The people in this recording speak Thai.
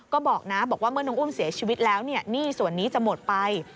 ก็บอกนะบอกว่าเมื่อน้องอุ้มเสียชีวิตแล้วหนี้ส่วนนี้จะหมดไป